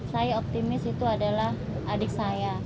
saya optimis itu adalah adik saya